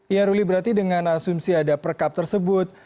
ya ruli berarti dengan asumsi ada perkap tersebut